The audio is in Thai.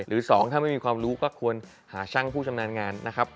๒ถ้าไม่มีความรู้ก็ควรหาช่างผู้ชำนาญงานนะครับ